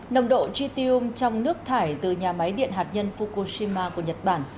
nồng độ tritium trong nước thải từ nhà máy điện hạt nhân fukushima của nhật bản